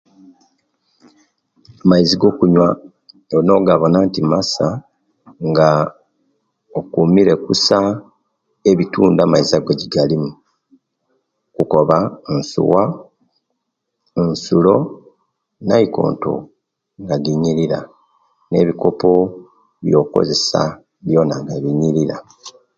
Amaizi go kunywa olina ogawona nti masa nga okumile kusa ebitundu amaizi ago ejigalimu kukoba nsuwa, nsulo naikonto nga jinyirira ne'bikopo ebyokozesa byona nga binyirira.